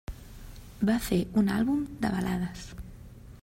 Va fer un àlbum de balades.